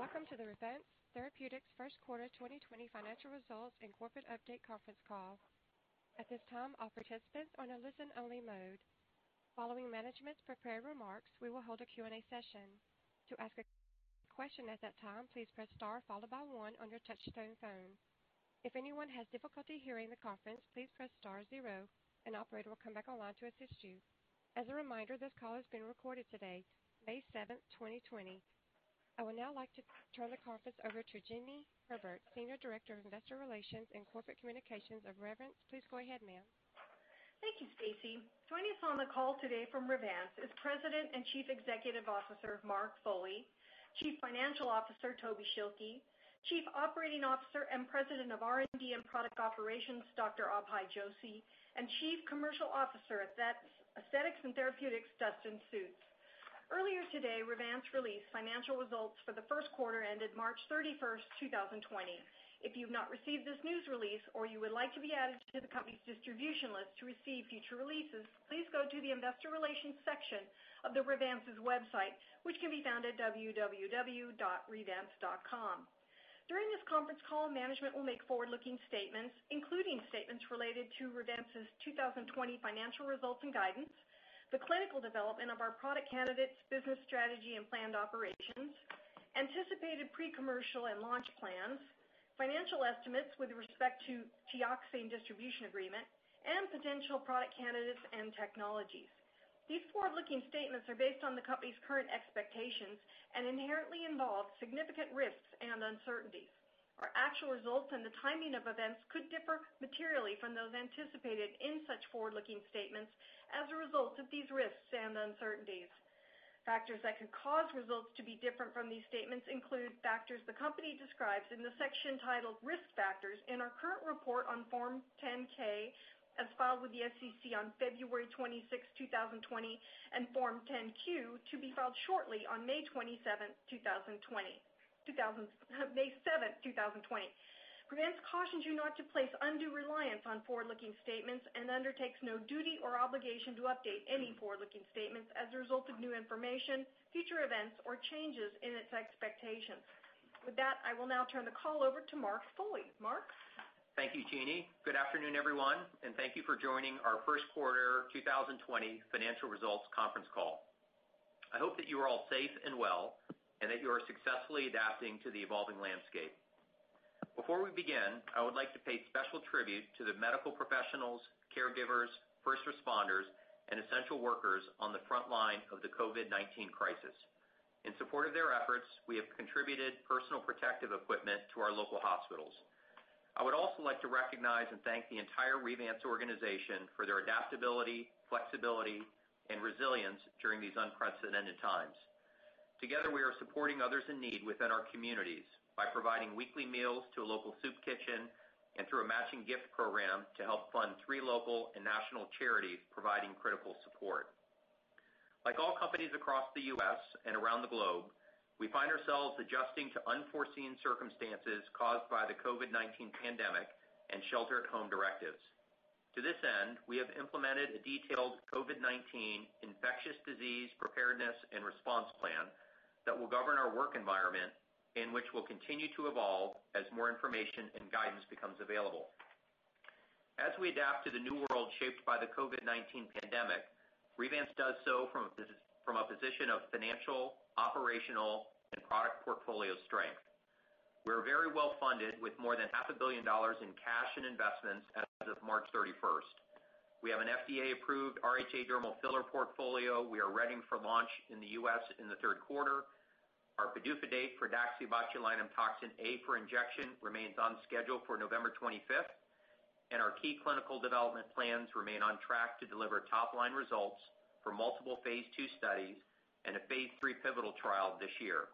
Welcome to the Revance Therapeutics Q1 2020 Financial Results and Corporate Update Conference Call. At this time, all participants are in a listen-only mode. Following management's prepared remarks, we will hold a Q&A session. To ask a question at that time, please press star followed by one on your touch-tone phone. If anyone has difficulty hearing the conference, please press star zero. An operator will come back online to assist you. As a reminder, this call is being recorded today, May 7th, 2020. I would now like to turn the conference over to Jeanie Herbert, Senior Director of Investor Relations and Corporate Communications of Revance. Please go ahead, ma'am. Thank you, Stacy. Joining us on the call today from Revance is President and Chief Executive Officer, Mark Foley, Chief Financial Officer, Toby Schilke, Chief Operating Officer and President of R&D and Product Operations, Dr. Abhay Joshi, and Chief Commercial Officer at Aesthetics and Therapeutics, Dustin Sjuts. Earlier today, Revance released financial results for the Q1 ended March 31, 2020. If you've not received this news release or you would like to be added to the company's distribution list to receive future releases, please go to the investor relations section of Revance's website, which can be found at www.revance.com. During this conference call, management will make forward-looking statements, including statements related to Revance's 2020 financial results and guidance, the clinical development of our product candidates, business strategy and planned operations, anticipated pre-commercial and launch plans, financial estimates with respect to Teoxane distribution agreement, and potential product candidates and technologies. These forward-looking statements are based on the company's current expectations and inherently involve significant risks and uncertainties. Our actual results and the timing of events could differ materially from those anticipated in such forward-looking statements as a result of these risks and uncertainties. Factors that could cause results to be different from these statements include factors the company describes in the section titled Risk Factors in our current report on Form 10-K, as filed with the SEC on February 26, 2020, and Form 10-Q, to be filed shortly on May 7th, 2020. Revance cautions you not to place undue reliance on forward-looking statements and undertakes no duty or obligation to update any forward-looking statements as a result of new information, future events, or changes in its expectations. With that, I will now turn the call over to Mark Foley. Mark? Thank you, Jeanie. Good afternoon, everyone, and thank you for joining our Q1 2020 financial results conference call. I hope that you are all safe and well, and that you are successfully adapting to the evolving landscape. Before we begin, I would like to pay special tribute to the medical professionals, caregivers, first responders, and essential workers on the front line of the COVID-19 crisis. In support of their efforts, we have contributed personal protective equipment to our local hospitals. I would also like to recognize and thank the entire Revance organization for their adaptability, flexibility, and resilience during these unprecedented times. Together, we are supporting others in need within our communities by providing weekly meals to a local soup kitchen and through a matching gift program to help fund three local and national charities providing critical support. Like all companies across the U.S. and around the globe, we find ourselves adjusting to unforeseen circumstances caused by the COVID-19 pandemic and shelter-at-home directives. To this end, we have implemented a detailed COVID-19 infectious disease preparedness and response plan that will govern our work environment and which will continue to evolve as more information and guidance becomes available. As we adapt to the new world shaped by the COVID-19 pandemic, Revance does so from a position of financial, operational, and product portfolio strength. We're very well-funded with more than $500 million in cash and investments as of March 31st. We have an FDA-approved RHA dermal filler portfolio we are readying for launch in the U.S. in the Q3. Our PDUFA date for DaxibotulinumtoxinA for Injection remains on schedule for November 25th, and our key clinical development plans remain on track to deliver top-line results for multiple phase II studies and a phase III pivotal trial this year.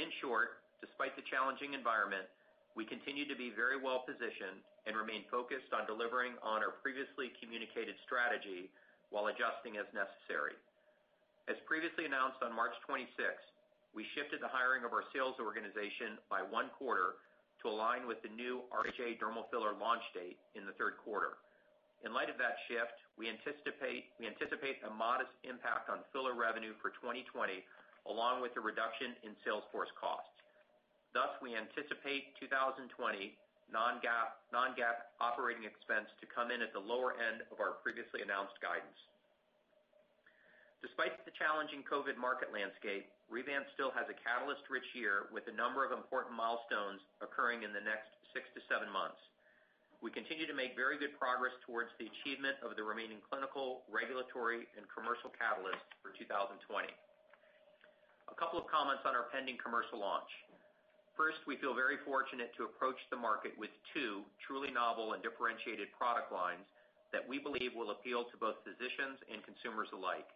In short, despite the challenging environment, we continue to be very well-positioned and remain focused on delivering on our previously communicated strategy while adjusting as necessary. As previously announced on March 26th, we shifted the hiring of our sales organization by one quarter to align with the new RHA dermal filler launch date in the Q3. In light of that shift, we anticipate a modest impact on filler revenue for 2020, along with a reduction in sales force costs. Thus, we anticipate 2020 non-GAAP operating expense to come in at the lower end of our previously announced guidance. Despite the challenging COVID market landscape, Revance still has a catalyst-rich year with a number of important milestones occurring in the next six to seven months. We continue to make very good progress towards the achievement of the remaining clinical, regulatory, and commercial catalysts for 2020. A couple of comments on our pending commercial launch. First, we feel very fortunate to approach the market with two truly novel and differentiated product lines that we believe will appeal to both physicians and consumers alike.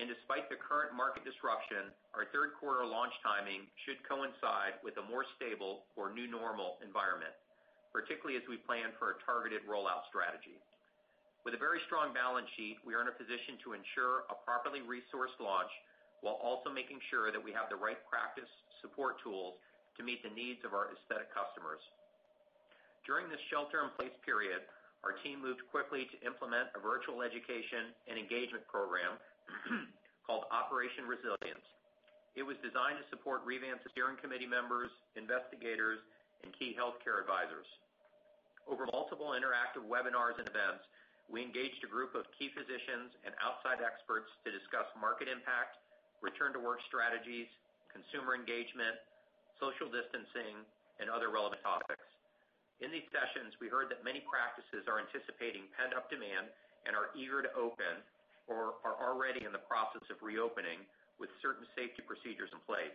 Despite the current market disruption, our Q3 launch timing should coincide with a more stable or new normal environment, particularly as we plan for a targeted rollout strategy. With a very strong balance sheet, we are in a position to ensure a properly resourced launch while also making sure that we have the right practice support tools to meet the needs of our aesthetic customers. During this shelter-in-place period, our team moved quickly to implement a virtual education and engagement program called Operation Resilience. It was designed to support Revance steering committee members, investigators, and key healthcare advisors. Over multiple interactive webinars and events, we engaged a group of key physicians and outside experts to discuss market impact, return-to-work strategies, consumer engagement, social distancing, and other relevant topics. In these sessions, we heard that many practices are anticipating pent-up demand and are eager to open or are already in the process of reopening with certain safety procedures in place.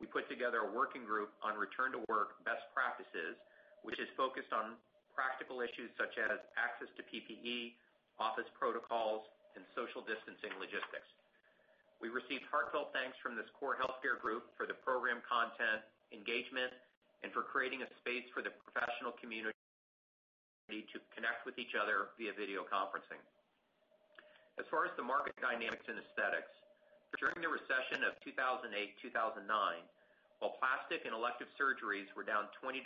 We put together a working group on return-to-work best practices, which is focused on practical issues such as access to PPE, office protocols, and social distancing logistics. We received heartfelt thanks from this core healthcare group for the program content, engagement, and for creating a space for the professional community to connect with each other via video conferencing. As far as the market dynamics in aesthetics, during the recession of 2008, 2009, while plastic and elective surgeries were down 20%-30%,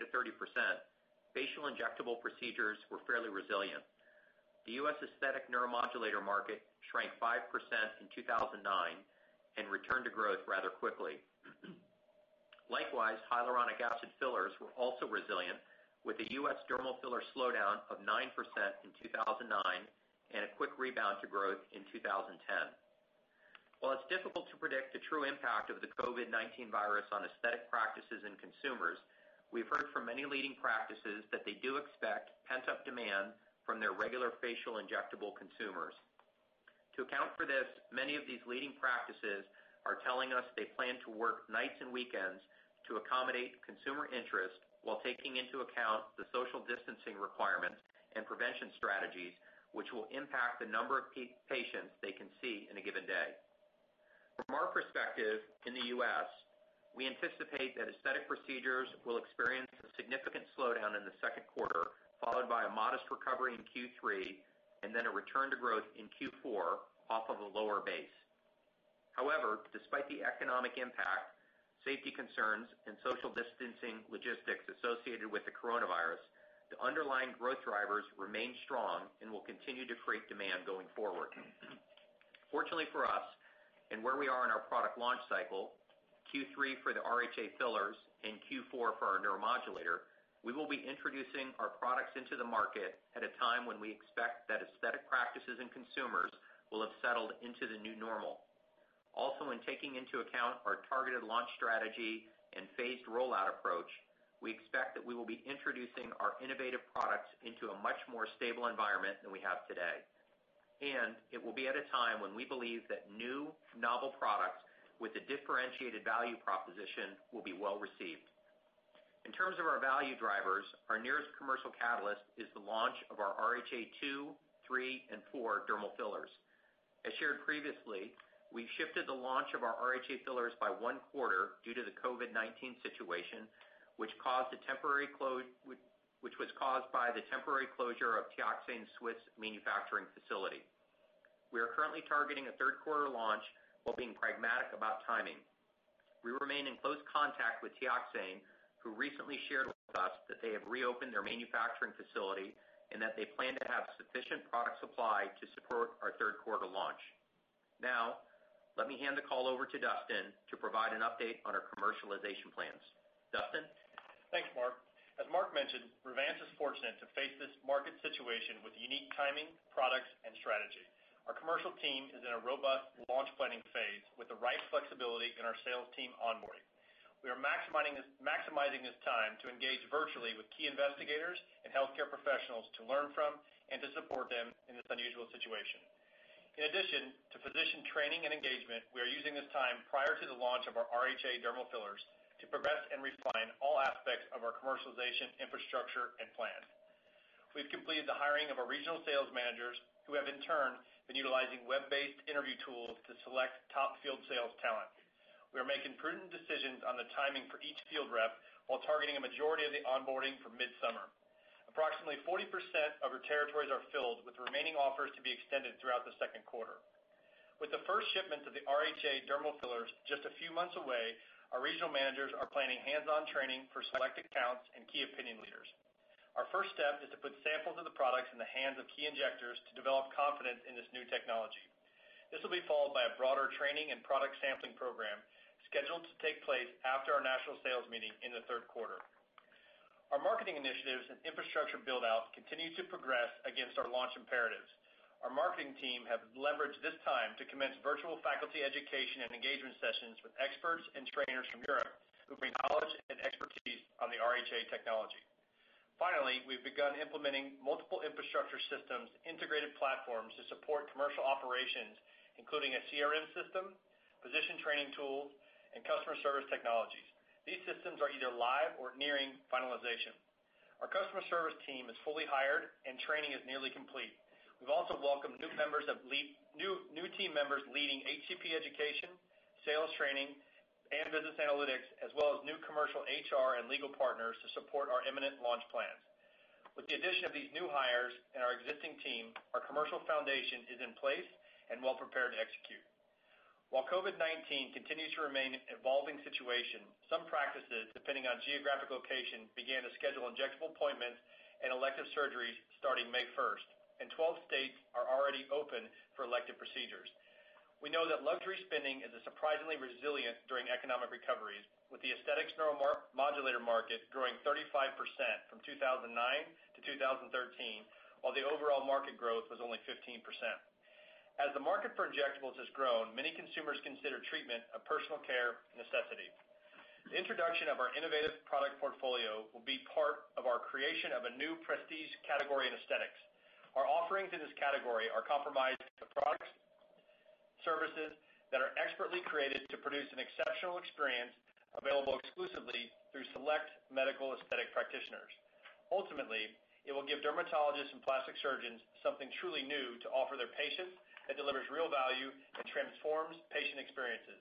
facial injectable procedures were fairly resilient. The U.S. aesthetic neuromodulator market shrank 5% in 2009 and returned to growth rather quickly. Likewise, hyaluronic acid fillers were also resilient with the U.S. dermal filler slowdown of 9% in 2009 and a quick rebound to growth in 2010. While it's difficult to predict the true impact of the COVID-19 virus on aesthetic practices and consumers, we've heard from many leading practices that they do expect pent-up demand from their regular facial injectable consumers. To account for this, many of these leading practices are telling us they plan to work nights and weekends to accommodate consumer interest while taking into account the social distancing requirements and prevention strategies, which will impact the number of patients they can see in a given day. From our perspective in the U.S., we anticipate that aesthetic procedures will experience a significant slowdown in the Q2, followed by a modest recovery in Q3, and then a return to growth in Q4 off of a lower base. However, despite the economic impact, safety concerns, and social distancing logistics associated with the coronavirus, the underlying growth drivers remain strong and will continue to create demand going forward. Fortunately for us and where we are in our product launch cycle, Q3 for the RHA fillers and Q4 for our neuromodulator, we will be introducing our products into the market at a time when we expect that aesthetic practices and consumers will have settled into the new normal. In taking into account our targeted launch strategy and phased rollout approach, we expect that we will be introducing our innovative products into a much more stable environment than we have today. It will be at a time when we believe that new, novel products with a differentiated value proposition will be well-received. In terms of our value drivers, our nearest commercial catalyst is the launch of our RHA 2, 3, and 4 dermal fillers. As shared previously, we've shifted the launch of our RHA fillers by one quarter due to the COVID-19 situation, which was caused by the temporary closure of Teoxane's Swiss manufacturing facility. We are currently targeting a Q3 launch while being pragmatic about timing. We remain in close contact with Teoxane, who recently shared with us that they have reopened their manufacturing facility and that they plan to have sufficient product supply to support our Q3 launch. Let me hand the call over to Dustin to provide an update on our commercialization plans. Dustin? Thanks, Mark. As Mark mentioned, Revance is fortunate to face this market situation with unique timing, products, and strategy. Our commercial team is in a robust launch planning phase with the right flexibility in our sales team onboarding. We are maximizing this time to engage virtually with key investigators and healthcare professionals to learn from and to support them in this unusual situation. In addition to physician training and engagement, we are using this time prior to the launch of our RHA dermal fillers to progress and refine all aspects of our commercialization infrastructure and plan. We've completed the hiring of our regional sales managers who have in turn been utilizing web-based interview tools to select top field sales talent. We are making prudent decisions on the timing for each field rep while targeting a majority of the onboarding for mid-summer. Approximately 40% of our territories are filled with remaining offers to be extended throughout the Q2. With the first shipments of the RHA dermal fillers just a few months away, our regional managers are planning hands-on training for select accounts and key opinion leaders. Our first step is to put samples of the products in the hands of key injectors to develop confidence in this new technology. This will be followed by a broader training and product sampling program scheduled to take place after our national sales meeting in the Q3. Our marketing initiatives and infrastructure build-out continue to progress against our launch imperatives. Our marketing team have leveraged this time to commence virtual faculty education and engagement sessions with experts and trainers from Europe who bring knowledge and expertise on the RHA technology. Finally, we've begun implementing multiple infrastructure systems, integrated platforms to support commercial operations, including a CRM system, physician training tools, and customer service technologies. These systems are either live or nearing finalization. Our customer service team is fully hired and training is nearly complete. We've also welcomed new team members leading HCP education, sales training, and business analytics as well as new commercial HR and legal partners to support our imminent launch, with the addition of these new hires and our existing team, our commercial foundation is in place and well prepared to execute. While COVID-19 continues to remain an evolving situation, some practices, depending on geographic location, began to schedule injectable appointments and elective surgeries starting May 1st, and 12 states are already open for elective procedures. We know that luxury spending is surprisingly resilient during economic recoveries, with the aesthetics neuromodulator market growing 35% from 2009 to 2013, while the overall market growth was only 15%. As the market for injectables has grown, many consumers consider treatment a personal care necessity. The introduction of our innovative product portfolio will be part of our creation of a new prestige category in aesthetics. Our offerings in this category are comprised of products and services that are expertly created to produce an exceptional experience available exclusively through select medical aesthetic practitioners. Ultimately, it will give dermatologists and plastic surgeons something truly new to offer their patients that delivers real value and transforms patient experiences.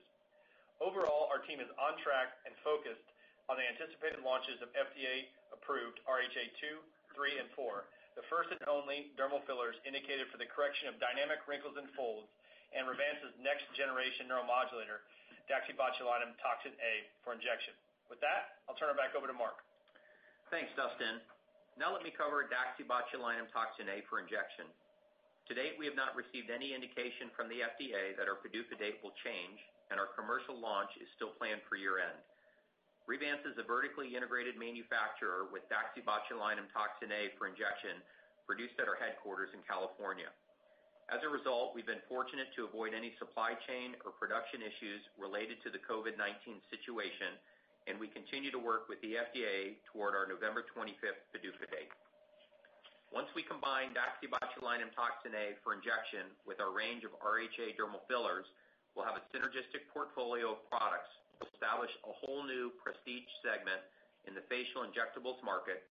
Overall, our team is on track and focused on the anticipated launches of FDA-approved RHA 2, 3, and 4, the first and only dermal fillers indicated for the correction of dynamic wrinkles and folds, and Revance's next generation neuromodulator, DaxibotulinumtoxinA for Injection. With that, I'll turn it back over to Mark. Thanks, Dustin. Let me cover DaxibotulinumtoxinA for Injection. To date, we have not received any indication from the FDA that our PDUFA date will change. Our commercial launch is still planned for year-end. Revance is a vertically integrated manufacturer with DaxibotulinumtoxinA for Injection produced at our headquarters in California. As a result, we've been fortunate to avoid any supply chain or production issues related to the COVID-19 situation. We continue to work with the FDA toward our November 25th PDUFA date. Once we combine DaxibotulinumtoxinA for Injection with our range of RHA dermal fillers, we'll have a synergistic portfolio of products that will establish a whole new prestige segment in the facial injectables market.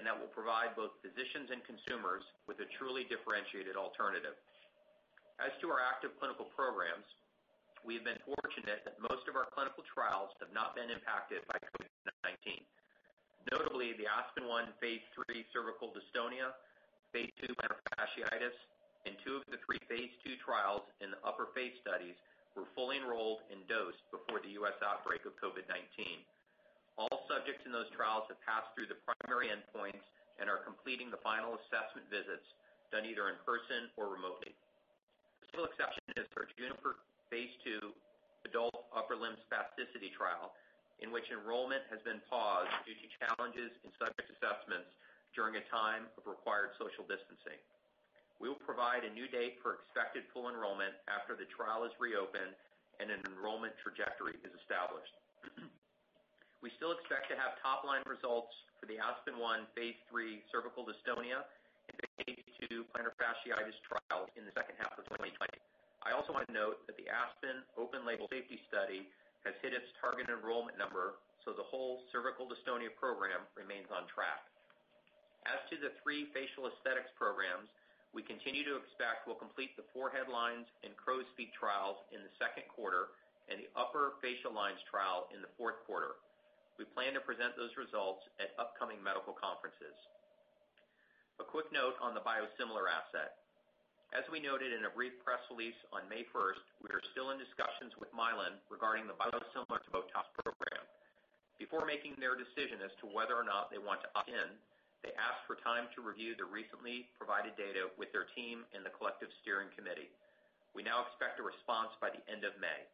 That will provide both physicians and consumers with a truly differentiated alternative. As to our active clinical programs, we have been fortunate that most of our clinical trials have not been impacted by COVID-19. Notably, the ASPEN-1 phase III cervical dystonia, phase II plantar fasciitis, and two of the three phase II trials in the upper face studies were fully enrolled and dosed before the U.S. outbreak of COVID-19. All subjects in those trials have passed through the primary endpoints and are completing the final assessment visits, done either in person or remotely. The sole exception is our JUNIPER phase II adult upper limb spasticity trial, in which enrollment has been paused due to challenges in subject assessments during a time of required social distancing. We will provide a new date for expected full enrollment after the trial is reopened and an enrollment trajectory is established. We still expect to have top-line results for the ASPEN-1 phase III cervical dystonia and phase II plantar fasciitis trial in the second half of 2020. I also want to note that the ASPEN open label safety study has hit its target enrollment number, so the whole cervical dystonia program remains on track. As to the three facial aesthetics programs, we continue to expect we'll complete the forehead lines and crow's feet trials in the Q2 and the upper facial lines trial in the Q4. We plan to present those results at upcoming medical conferences. A quick note on the biosimilar asset. As we noted in a brief press release on May 1st, we are still in discussions with Mylan regarding the biosimilar to Botox program. Before making their decision as to whether or not they want to opt in, they asked for time to review the recently provided data with their team and the collective steering committee. We now expect a response by the end of May.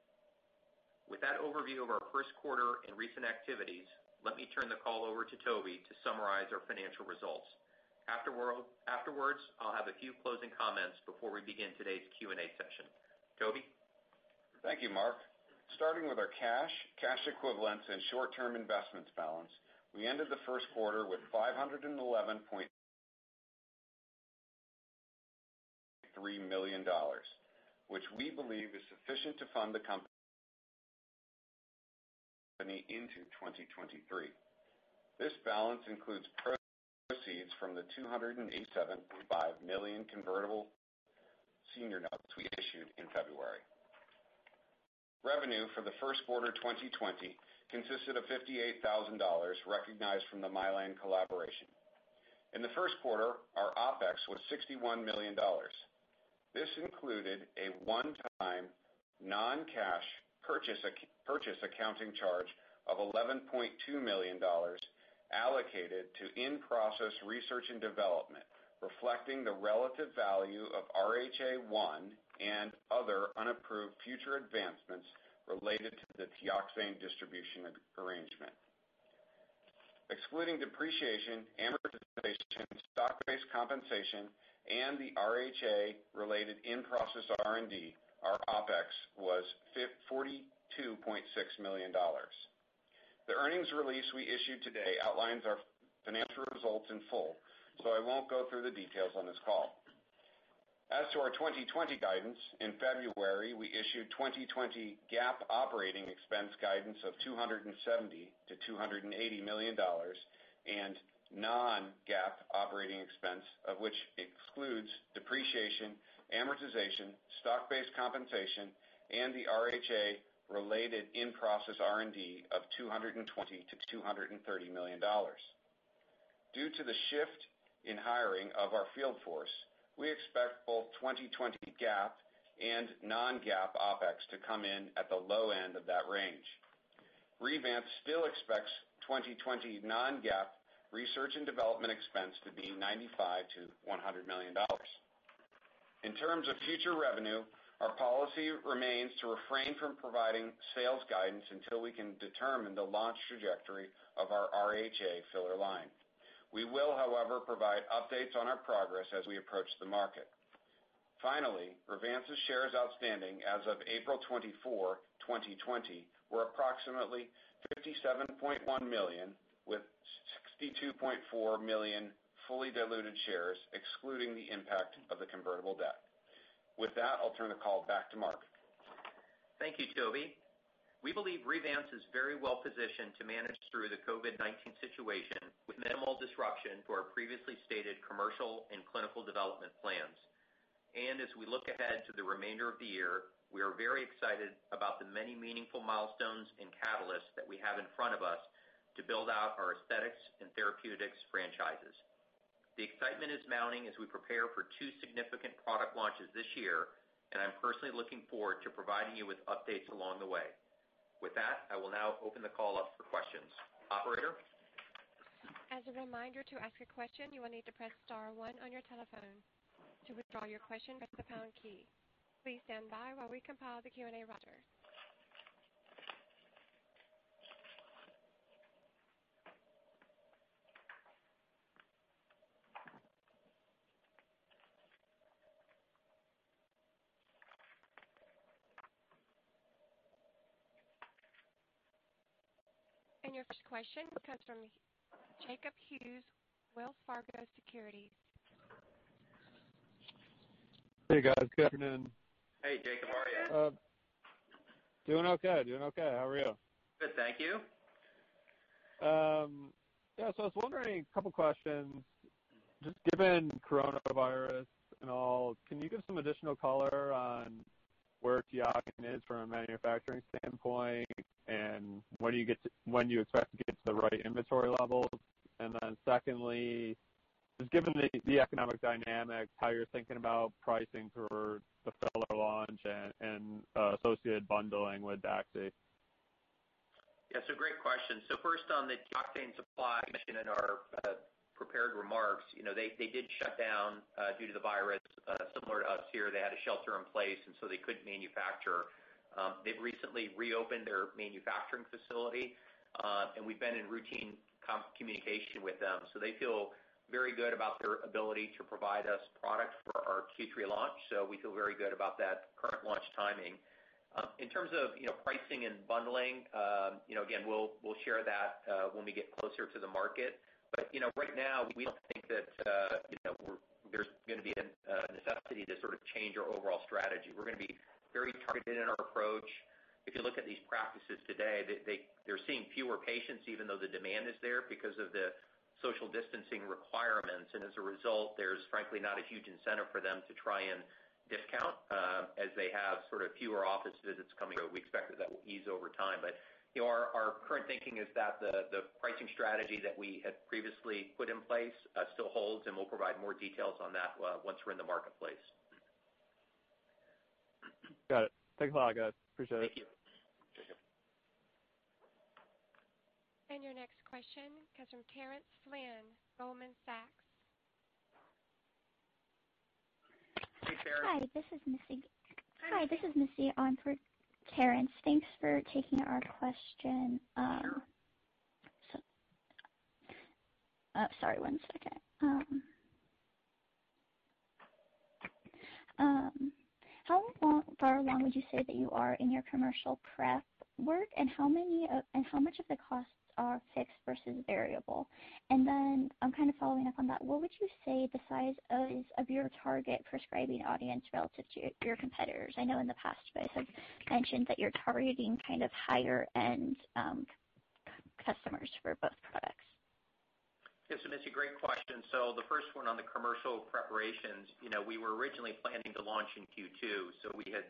With that overview of our Q1 and recent activities, let me turn the call over to Toby to summarize our financial results. Afterwards, I'll have a few closing comments before we begin today's Q&A session. Toby? Thank you, Mark. Starting with our cash, cash equivalents, and short-term investments balance, we ended the Q1 with $511.3 million, which we believe is sufficient to fund the company into 2023. This balance includes proceeds from the $287.5 million convertible senior notes we issued in February. Revenue for the Q1 2020 consisted of $58,000 recognized from the Mylan collaboration. In the Q1, our OpEx was $61 million. This included a one-time non-cash purchase accounting charge of $11.2 million allocated to in-process research and development, reflecting the relative value of RHA 1 and other unapproved future advancements related to the Teoxane distribution arrangement. Excluding depreciation, amortization, stock-based compensation, and the RHA related in-process R&D, our OpEx was $42.6 million. The earnings release we issued today outlines our financial results in full, so I won't go through the details on this call. As to our 2020 guidance, in February, we issued 2020 GAAP operating expense guidance of $270 million-$280 million and non-GAAP operating expense, which excludes depreciation, amortization, stock-based compensation, and the RHA related in-process R&D, of $220 million-$230 million. Due to the shift in hiring of our field force, we expect both 2020 GAAP and non-GAAP OpEx to come in at the low end of that range. Revance still expects 2020 non-GAAP research and development expense to be $95 million-$100 million. In terms of future revenue, our policy remains to refrain from providing sales guidance until we can determine the launch trajectory of our RHA filler line. We will, however, provide updates on our progress as we approach the market. Finally, Revance's shares outstanding as of April 24, 2020, were approximately 57.1 million with 62.4 million fully diluted shares, excluding the impact of the convertible debt. With that, I'll turn the call back to Mark. Thank you, Toby. We believe Revance is very well-positioned to manage through the COVID-19 situation with minimal disruption to our previously stated commercial and clinical development plans. As we look ahead to the remainder of the year, we are very excited about the many meaningful milestones and catalysts that we have in front of us to build out our aesthetics and therapeutics franchises. The excitement is mounting as we prepare for two significant product launches this year, and I'm personally looking forward to providing you with updates along the way. With that, I will now open the call up for questions. Operator? As a reminder, to ask a question, you will need to press star one on your telephone. To withdraw your question, press the pound key. Please stand by while we compile the Q&A roster. Your first question comes from Jacob Hughes, Wells Fargo Securities. Hey, guys. Good afternoon. Hey, Jacob. How are you? Doing okay. How are you? Good, thank you. Yeah. I was wondering, a couple questions. Just given coronavirus and all, can you give some additional color on where Teoxane is from a manufacturing standpoint? When do you expect to get to the right inventory levels? Secondly, just given the economic dynamics, how you're thinking about pricing for the filler launch and associated bundling with DAXI. Yeah, great question. First on the Teoxane supply mentioned in our prepared remarks, they did shut down due to the virus similar to us here. They had a shelter in place, they couldn't manufacture. They've recently reopened their manufacturing facility, we've been in routine communication with them. They feel very good about their ability to provide us product for our Q3 launch. We feel very good about that current launch timing. In terms of pricing and bundling, again, we'll share that when we get closer to the market. Right now, we don't think that there's going to be a necessity to change our overall strategy. We're going to be very targeted in our approach. If you look at these practices today, they're seeing fewer patients, even though the demand is there because of the social distancing requirements. As a result, there's frankly not a huge incentive for them to try and discount, as they have fewer office visits coming in. We expect that that will ease over time. Our current thinking is that the pricing strategy that we had previously put in place still holds, and we'll provide more details on that once we're in the marketplace. Got it. Thanks a lot, guys. Appreciate it. Thank you. Your next question comes from Terence Flynn, Goldman Sachs. Hey, Terence. Hi, this is Missy on for Terence. Thanks for taking our question. Sure. Sorry, one second. How far along would you say that you are in your commercial prep work, and how much of the costs are fixed versus variable? I'm following up on that. What would you say the size is of your target prescribing audience relative to your competitors? I know in the past you guys have mentioned that you're targeting higher-end customers for both products. Yeah. Missy, great question. The first one on the commercial preparations, we were originally planning to launch in Q2, so we had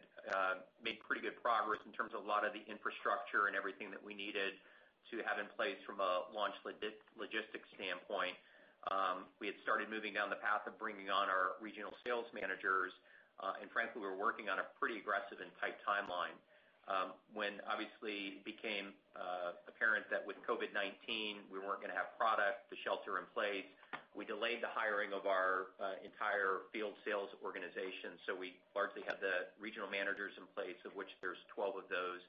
made pretty good progress in terms of a lot of the infrastructure and everything that we needed to have in place from a launch logistics standpoint. We had started moving down the path of bringing on our regional sales managers. Frankly, we were working on a pretty aggressive and tight timeline. When obviously it became apparent that with COVID-19, we weren't going to have product, the shelter in place, we delayed the hiring of our entire field sales organization. We largely had the regional managers in place, of which there's 12 of those,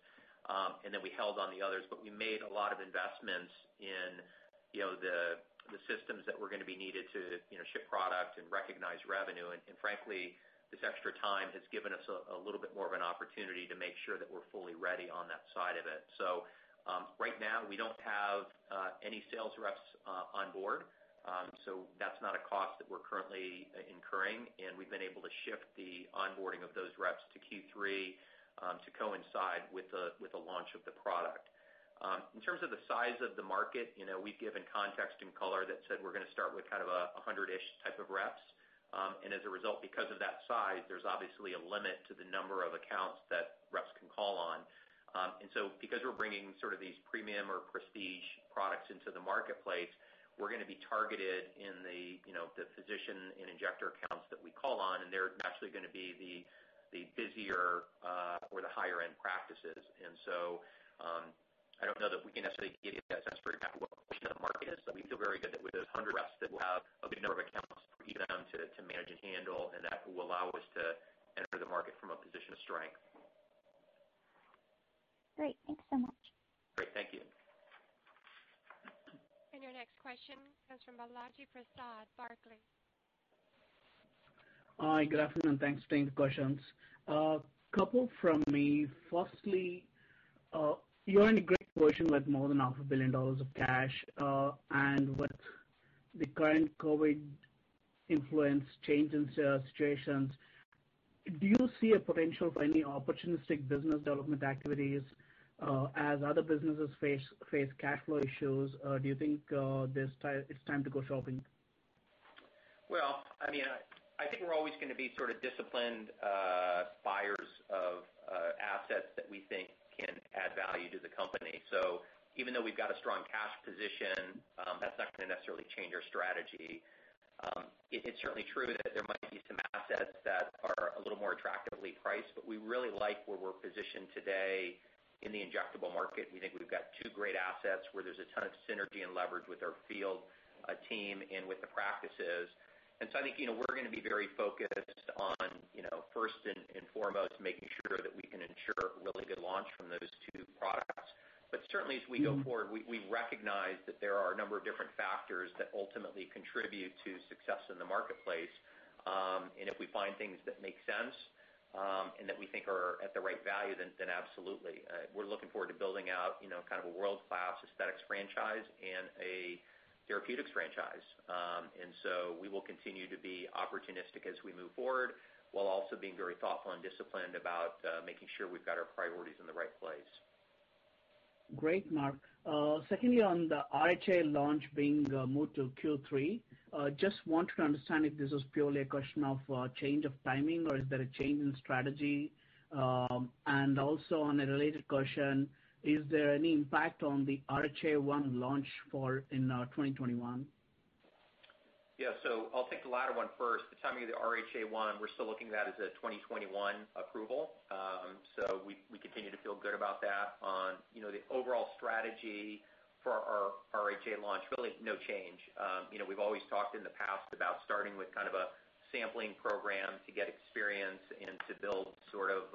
and then we held on the others. We made a lot of investments in the systems that were going to be needed to ship product and recognize revenue. Frankly, this extra time has given us a little bit more of an opportunity to make sure that we're fully ready on that side of it. Right now, we don't have any sales reps on board. That's not a cost that we're currently incurring, and we've been able to shift the onboarding of those reps to Q3 to coincide with the launch of the product. In terms of the size of the market, we've given context and color that said we're going to start with 100-ish type of reps. As a result, because of that size, there's obviously a limit to the number of accounts that reps can call on. Because we're bringing sort of these premium or prestige products into the marketplace, we're going to be targeted in the physician and injector accounts that we call on, and they're naturally going to be the busier or the higher-end practices. I don't know that we can necessarily give you a sense for exactly what the market is, but we feel very good that with those 100 reps, that we'll have a big number of accounts for even them to manage and handle, and that will allow us to enter the market from a position of strength. Great. Thanks so much. Great. Thank you. Your next question comes from Balaji Prasad, Barclays. Hi, good afternoon. Thanks for taking the questions. A couple from me. Firstly, you're in a great position with more than $500 million of cash. With the current COVID influence change in sales situations, do you see a potential for any opportunistic business development activities as other businesses face cash flow issues? Do you think it's time to go shopping? I think we're always going to be sort of disciplined buyers of assets that we think can add value to the company. Even though we've got a strong cash position, that's not going to necessarily change our strategy. It's certainly true that there might be some assets that are a little more attractively priced, but we really like where we're positioned today in the injectable market. We think we've got two great assets where there's a ton of synergy and leverage with our field team and with the practices. I think, we're going to be very focused on first and foremost, making sure that we can ensure a really good launch from those two products. Certainly as we go forward, we recognize that there are a number of different factors that ultimately contribute to success in the marketplace. If we find things that make sense, and that we think are at the right value, then absolutely. We're looking forward to building out kind of a world-class aesthetics franchise and a therapeutics franchise. We will continue to be opportunistic as we move forward, while also being very thoughtful and disciplined about making sure we've got our priorities in the right place. Great, Mark. Secondly, on the RHA launch being moved to Q3, just want to understand if this is purely a question of change of timing or is there a change in strategy? Also on a related question, is there any impact on the RHA launch in 2021? I'll take the latter one first. The timing of the RHA 1, we're still looking at that as a 2021 approval. We continue to feel good about that. On the overall strategy for our RHA launch, really no change. We've always talked in the past about starting with kind of a sampling program to get experience and to build sort of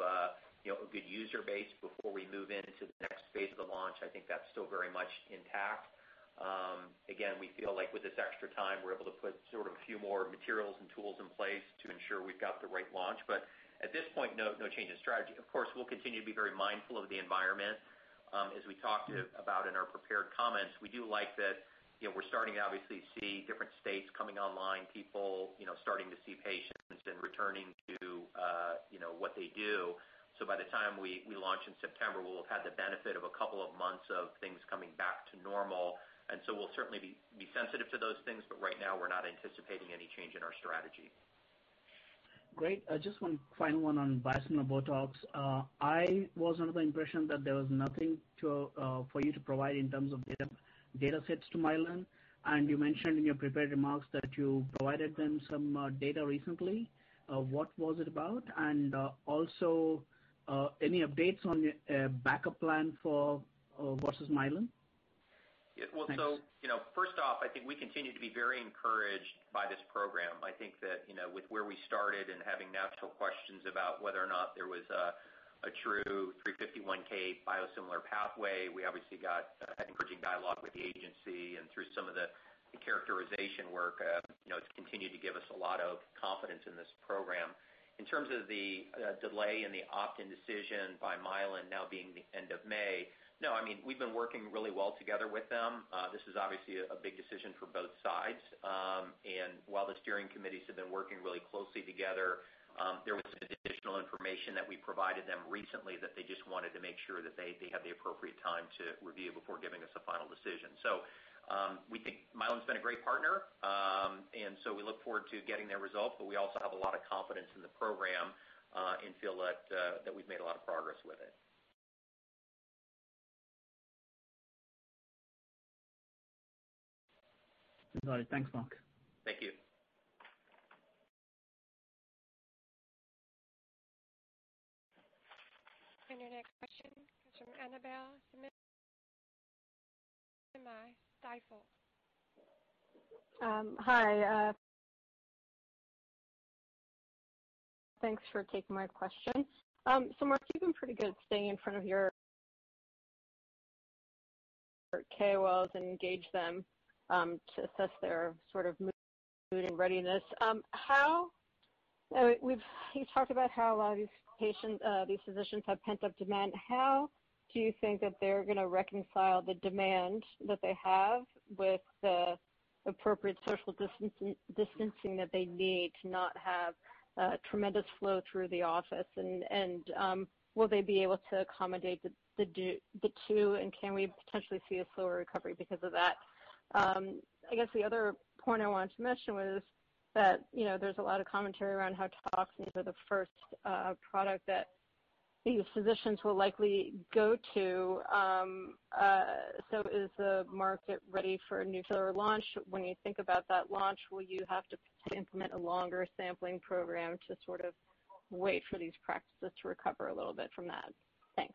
a good user base before we move into the next phase of the launch. I think that's still very much intact. Again, we feel like with this extra time, we're able to put sort of a few more materials and tools in place to ensure we've got the right launch. At this point, no change in strategy. Of course, we'll continue to be very mindful of the environment. As we talked about in our prepared comments, we do like that we're starting to obviously see different states coming online, people starting to see patients and returning to what they do. By the time we launch in September, we'll have had the benefit of a couple of months of things coming back to normal. We'll certainly be sensitive to those things. Right now, we're not anticipating any change in our strategy. Great. Just one final one on biosimilar Botox. I was under the impression that there was nothing for you to provide in terms of data sets to Mylan. You mentioned in your prepared remarks that you provided them some data recently. What was it about? Also, any updates on your backup plan versus Mylan? Well, first off, I think we continue to be very encouraged by this program. I think that with where we started and having natural questions about whether or not there was a true 351 biosimilar pathway, we obviously got encouraging dialogue with the agency and through some of the characterization work. It's continued to give us a lot of confidence in this program. In terms of the delay in the opt-in decision by Mylan now being the end of May, no, we've been working really well together with them. This is obviously a big decision for both sides. While the steering committees have been working really closely together, there was some additional information that we provided them recently that they just wanted to make sure that they had the appropriate time to review before giving us a final decision. We think Mylan's been a great partner, and so we look forward to getting their results, but we also have a lot of confidence in the program, and feel that we've made a lot of progress with it. I'm glad. Thanks, Mark. Thank you. Your next question is from Annabel Samimy, Stifel. Hi. Thanks for taking my question. Mark, you've been pretty good at staying in front of your KOLs and engage them, to assess their sort of mood and readiness. You talked about how a lot of these physicians have pent-up demand. How do you think that they're going to reconcile the demand that they have with the appropriate social distancing that they need to not a tremendous flow through the office. Will they be able to accommodate the two, and can we potentially see a slower recovery because of that? I guess the other point I wanted to mention was that there's a lot of commentary around how toxins are the first product that these physicians will likely go to. Is the market ready for a new filler launch? When you think about that launch, will you have to implement a longer sampling program to sort of wait for these practices to recover a little bit from that? Thanks.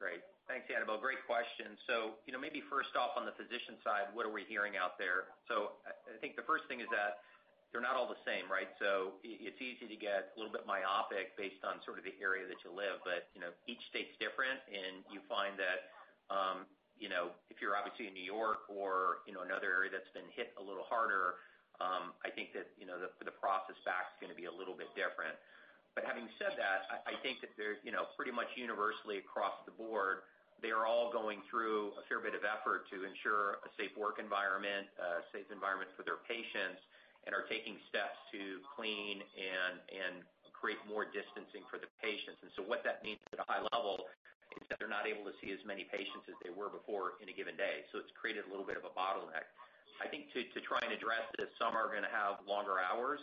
Great. Thanks, Annabel. Great question. Maybe first off on the physician side, what are we hearing out there? I think the first thing is that they're not all the same, right? It's easy to get a little bit myopic based on sort of the area that you live. Each state's different, and you find that if you're obviously in New York or another area that's been hit a little harder, I think that the process stack is going to be a little bit different. Having said that, I think that there's pretty much universally across the board, they are all going through a fair bit of effort to ensure a safe work environment, a safe environment for their patients, and are taking steps to clean and create more distancing for the patients. What that means at a high level is that they're not able to see as many patients as they were before in a given day. It's created a little bit of a bottleneck. I think to try and address this, some are going to have longer hours,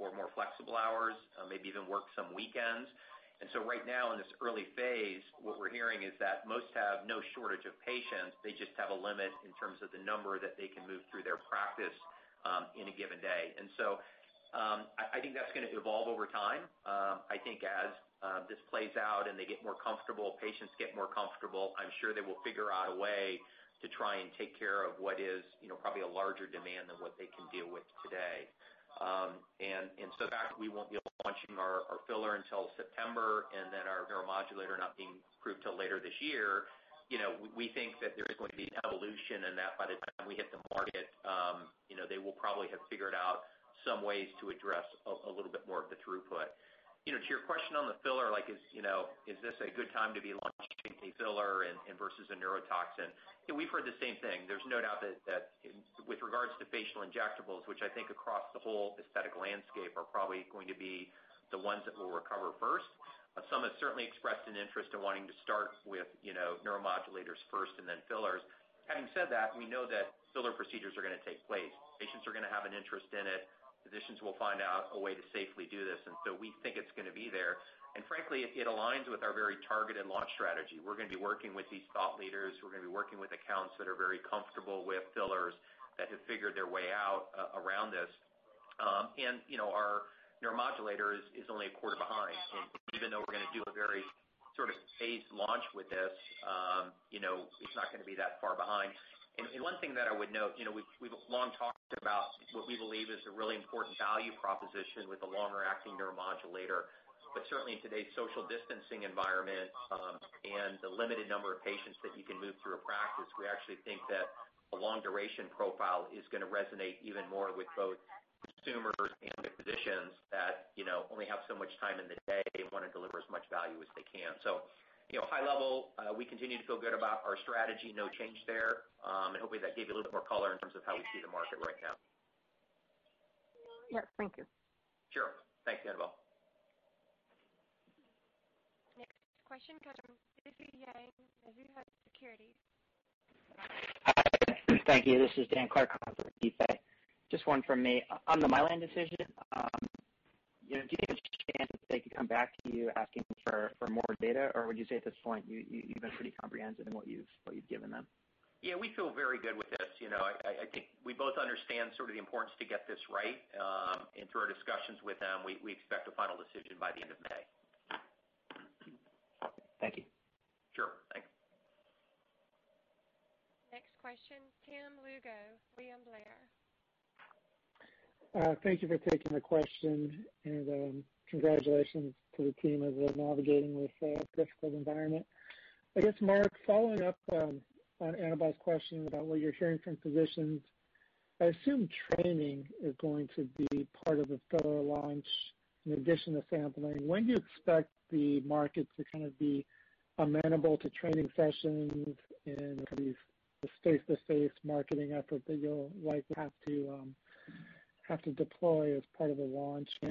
or more flexible hours, maybe even work some weekends. Right now in this early phase, what we're hearing is that most have no shortage of patients. They just have a limit in terms of the number that they can move through their practice in a given day. I think that's going to evolve over time. I think as this plays out and they get more comfortable, patients get more comfortable, I'm sure they will figure out a way to try and take care of what is probably a larger demand than what they can deal with today. The fact that we won't be launching our filler until September and then our neuromodulator not being approved till later this year, we think that there is going to be an evolution and that by the time we hit the market, they will probably have figured out some ways to address a little bit more of the throughput. To your question on the filler, is this a good time to be launching a filler and versus a neurotoxin? We've heard the same thing. There's no doubt that with regards to facial injectables, which I think across the whole aesthetic landscape are probably going to be the ones that will recover first. Some have certainly expressed an interest in wanting to start with neuromodulators first and then fillers. Having said that, we know that filler procedures are going to take place. Patients are going to have an interest in it. Physicians will find out a way to safely do this, and so we think it's going to be there. Frankly, it aligns with our very targeted launch strategy. We're going to be working with these thought leaders. We're going to be working with accounts that are very comfortable with fillers that have figured their way out around this. Our neuromodulator is only a quarter behind. Even though we're going to do a very sort of phased launch with this, it's not going to be that far behind. One thing that I would note, we've long talked about what we believe is a really important value proposition with the longer-acting neuromodulator. Certainly in today's social distancing environment, and the limited number of patients that you can move through a practice, we actually think that a long duration profile is going to resonate even more with both consumers and the physicians that only have so much time in the day and want to deliver as much value as they can. High level, we continue to feel good about our strategy. No change there. Hopefully, that gave you a little bit more color in terms of how we see the market right now. Yeah. Thank you. Sure. Thanks, Annabel. Next question comes from Difei Yang, Mizuho Securities. Hi. Thank you. This is Dan Clark on for Difei. Just one from me. On the Mylan decision, do you think there is a chance that they could come back to you asking for more data? Or would you say at this point you've been pretty comprehensive in what you've given them? Yeah, we feel very good with this. I think we both understand sort of the importance to get this right. Through our discussions with them, we expect a final decision by the end of May. Thank you. Sure. Thanks. Next question, Tim Lugo, William Blair. Thank you for taking the question. Congratulations to the team as they're navigating this difficult environment. I guess, Mark, following up on Annabel's question about what you're hearing from physicians, I assume training is going to be part of the filler launch in addition to sampling. When do you expect the market to kind of be amenable to training sessions and kind of the face-to-face marketing effort that you'll likely have to deploy as part of a launch? I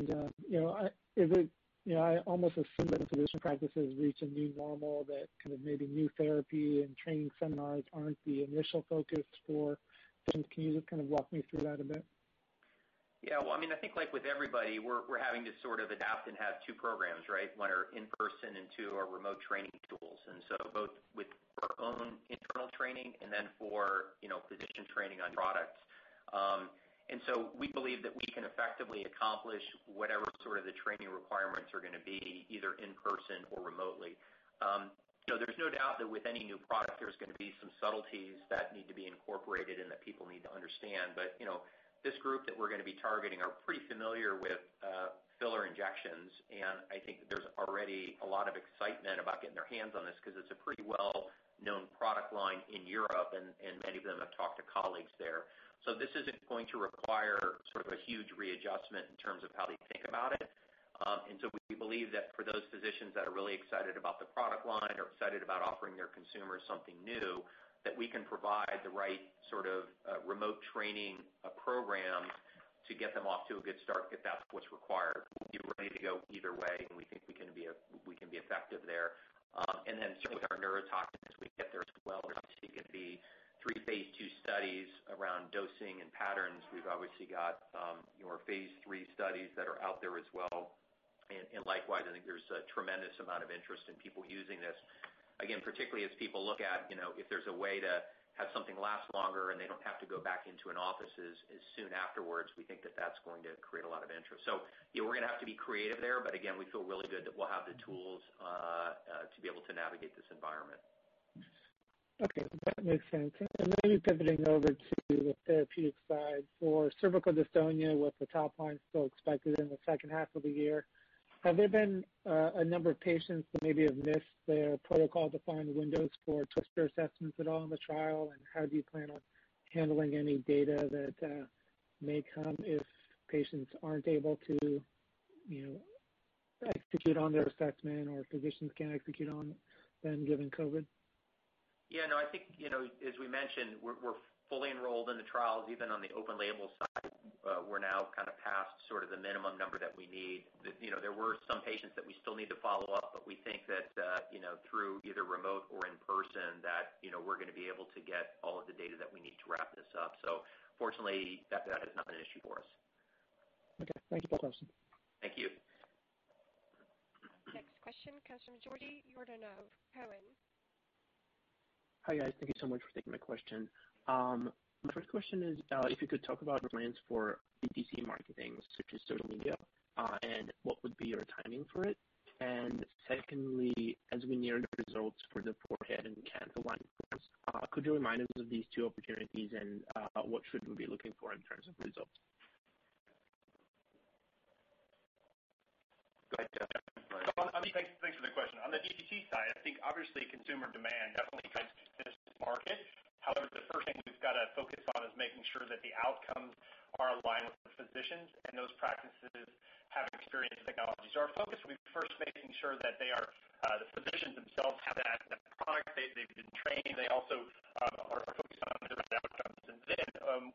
almost assume that physician practices reach a new normal that kind of maybe new therapy and training seminars aren't the initial focus for them. Can you just kind of walk me through that a bit? Well, I think like with everybody, we're having to sort of adapt and have two programs, right? One are in-person, and two are remote training tools. Both with our own internal training and then for physician training on products. We believe that we can effectively accomplish whatever sort of the training requirements are going to be, either in person or remotely. There's no doubt that with any new product, there's going to be some subtleties that need to be incorporated and that people need to understand. This group that we're going to be targeting are pretty familiar with filler injections. I think that there's already a lot of excitement about getting their hands on this because it's a pretty well-known product line in Europe, and many of them have talked to colleagues there. This isn't going to require sort of a huge readjustment in terms of how they think about it. We believe that for those physicians that are really excited about the product line, are excited about offering their consumers something new, that we can provide the right sort of remote training program to get them off to a good start, if that's what's required. We're ready to go either way, and we think we can be effective there. Certainly with our neuromodulator, as we get there as well. Obviously, going to be three phase II studies around dosing and patterns. We've obviously got your phase III studies that are out there as well. Likewise, I think there's a tremendous amount of interest in people using this. Particularly as people look at, if there's a way to have something last longer and they don't have to go back into an office as soon afterwards, we think that that's going to create a lot of interest. Yeah, we're going to have to be creative there, but again, we feel really good that we'll have the tools to be able to navigate this environment. Okay. That makes sense. Maybe pivoting over to the therapeutic side, for cervical dystonia with the top line still expected in the second half of the year, have there been a number of patients that maybe have missed their protocol-defined windows for TWSTRS assessments at all in the trial? How do you plan on handling any data that may come if patients aren't able to execute on their assessment or physicians can't execute on them, given COVID? I think, as we mentioned, we're fully enrolled in the trials. Even on the open label side, we're now past the minimum number that we need. There were some patients that we still need to follow up, but we think that through either remote or in person, that we're going to be able to get all of the data that we need to wrap this up. Fortunately, that is not an issue for us. Okay. Thank you for the question. Thank you. Next question comes from Georgi Yordanov, Cowen. Hi, guys. Thank you so much for taking my question. My first question is, if you could talk about plans for DTC marketing, such as social media, and what would be your timing for it? Secondly, as we near the results for the forehead and canthal line for us, could you remind us of these two opportunities and what should we be looking for in terms of results? Go ahead, Dustin. Thanks for the question. On the DTC side, I think obviously consumer demand definitely drives this market. The first thing we've got to focus on is making sure that the outcomes are aligned with the physicians and those practices have experienced technologies. Our focus will be first making sure that the physicians themselves have that product. They've been trained. They also are focused on the different outcomes.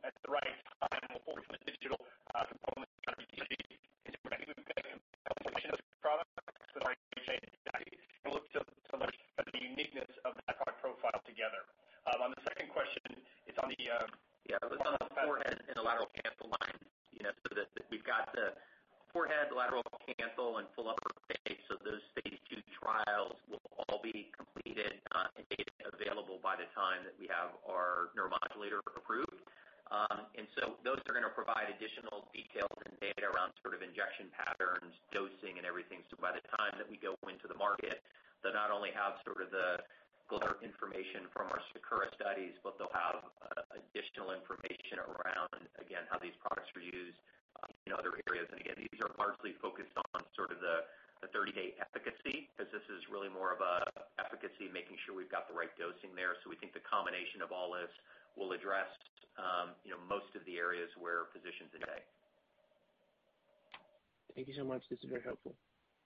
At the right time, we'll pull from the digital components of our DTC. I think we've got a combination of two products with both RHA and DAXI, and we look to leverage the uniqueness of that product profile together. On the second question. Yeah, it was on the forehead and the lateral canthal line. That we've got the forehead, lateral canthal, and full upper face. Those phase II trials will all be completed and data available by the time that we have our neuromodulator approved. Those are going to provide additional details and data around sort of injection patterns, dosing, and everything. By the time that we go into the market, they'll not only have sort of the fuller information from our SAKURA studies, but they'll have additional information around, again, how these products are used in other areas. Again, these are largely focused on sort of the 30-day efficacy, because this is really more of a efficacy, making sure we've got the right dosing there. We think the combination of all this will address most of the areas where physicians are today. Thank you so much. This is very helpful.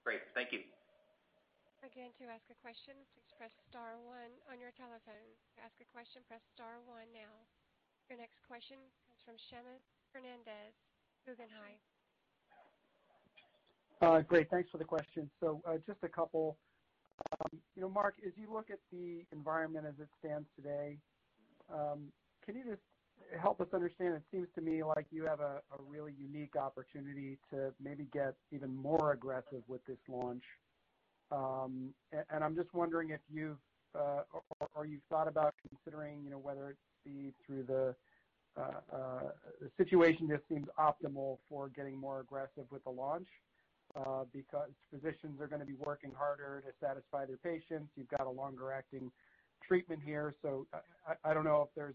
Great. Thank you. To ask a question, please press star one on your telephone. To ask a question, press star one now. Your next question comes from Seamus Fernandez, Guggenheim. Great. Thanks for the question. Just a couple. Mark, as you look at the environment as it stands today, can you just help us understand? It seems to me like you have a really unique opportunity to maybe get even more aggressive with this launch. I'm just wondering if you've thought about the situation just seems optimal for getting more aggressive with the launch. Physicians are going to be working harder to satisfy their patients. You've got a longer-acting treatment here. I don't know if there's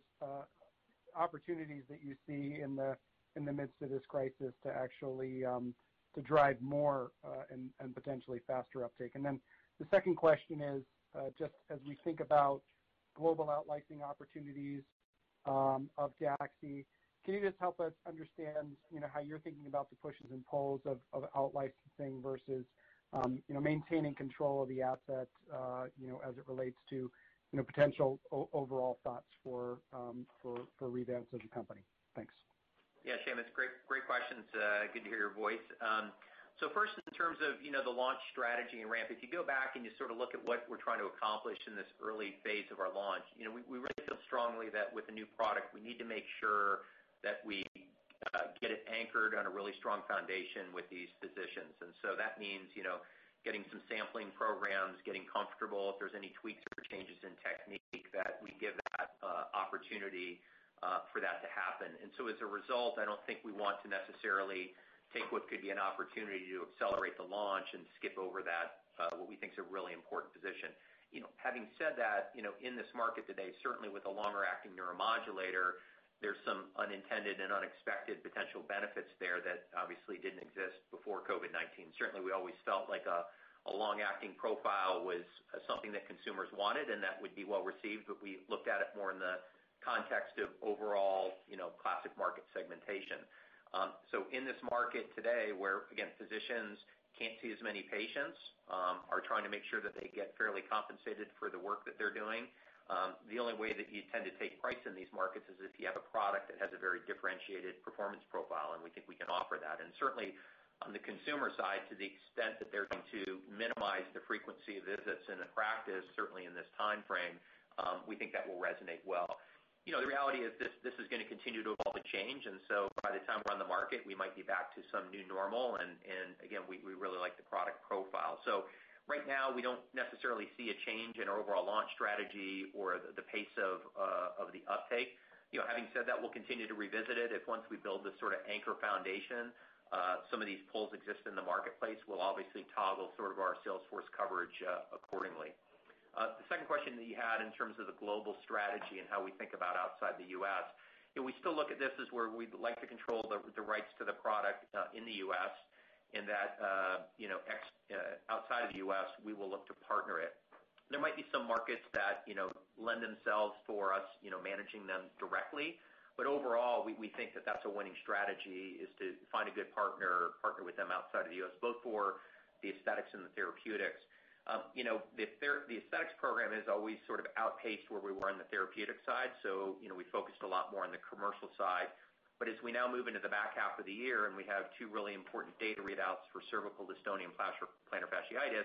opportunities that you see in the midst of this crisis to actually drive more and potentially faster uptake. The second question is, just as we think about global out licensing opportunities of DAXI, can you just help us understand how you're thinking about the pushes and pulls of out licensing versus maintaining control of the asset as it relates to potential overall thoughts for Revance as a company? Thanks. Yeah, Seamus. Great questions. Good to hear your voice. First, in terms of the launch strategy and ramp, if you go back and you sort of look at what we're trying to accomplish in this early phase of our launch, we really feel strongly that with a new product, we need to make sure that we get it anchored on a really strong foundation with these physicians. That means getting some sampling programs, getting comfortable if there's any tweaks or changes in technique, that we give that opportunity for that to happen. As a result, I don't think we want to necessarily take what could be an opportunity to accelerate the launch and skip over that, what we think is a really important position. Having said that, in this market today, certainly with a longer-acting neuromodulator, there's some unintended and unexpected potential benefits there that obviously didn't exist before COVID-19. Certainly, we always felt like a long-acting profile was something that consumers wanted and that would be well-received, but we looked at it more in the context of overall classic market segmentation. In this market today where, again, physicians can't see as many patients, are trying to make sure that they get fairly compensated for the work that they're doing. The only way that you tend to take price in these markets is if you have a product that has a very differentiated performance profile, and we think we can offer that. Certainly on the consumer side, to the extent that they're going to minimize the frequency of visits in a practice, certainly in this timeframe, we think that will resonate well. The reality is this is going to continue to evolve and change. By the time we're on the market, we might be back to some new normal. Again, we really like the product profile. Right now, we don't necessarily see a change in our overall launch strategy or the pace of the uptake. Having said that, we'll continue to revisit it if once we build this sort of anchor foundation, some of these polls exist in the marketplace, we'll obviously toggle sort of our sales force coverage accordingly. The second question that you had in terms of the global strategy and how we think about outside the U.S., we still look at this as where we'd like to control the rights to the product in the U.S. in that, outside of the U.S., we will look to partner it. There might be some markets that lend themselves for us managing them directly. Overall, we think that that's a winning strategy, is to find a good partner with them outside of the U.S., both for the aesthetics and the therapeutics. The aesthetics program has always sort of outpaced where we were on the therapeutic side, we focused a lot more on the commercial side. As we now move into the back half of the year and we have two really important data readouts for cervical dystonia and plantar fasciitis,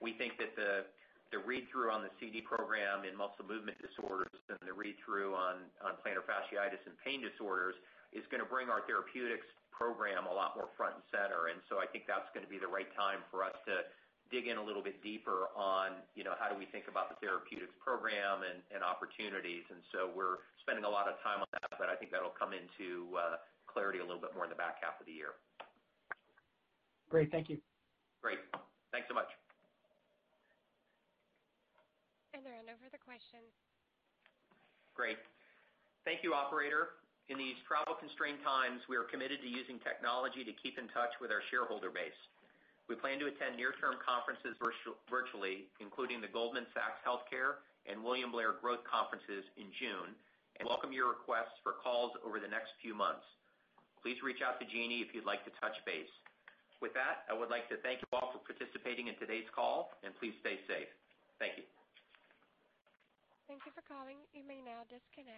we think that the read-through on the CD program in muscle movement disorders and the read-through on plantar fasciitis and pain disorders is going to bring our therapeutics program a lot more front and center. I think that's going to be the right time for us to dig in a little bit deeper on how do we think about the therapeutics program and opportunities. We're spending a lot of time on that, but I think that'll come into clarity a little bit more in the back half of the year. Great. Thank you. Great. Thanks so much. There are no further questions. Great. Thank you, operator. In these travel-constrained times, we are committed to using technology to keep in touch with our shareholder base. We plan to attend near-term conferences virtually, including the Goldman Sachs Healthcare and William Blair Growth conferences in June. Welcome your requests for calls over the next few months. Please reach out to Jeanie if you'd like to touch base. With that, I would like to thank you all for participating in today's call. Please stay safe. Thank you. Thank you for calling. You may now disconnect.